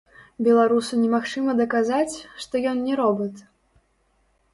Беларусу немагчыма даказаць, што ён не робат?!